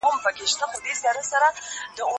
مومن هغه دی، چي ميرمن ئې حمام ته نه ځي.